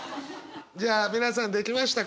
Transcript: じゃあ皆さんできましたか？